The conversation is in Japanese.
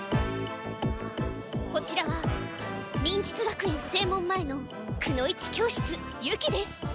こちらは忍術学園正門前のくの一教室ユキです。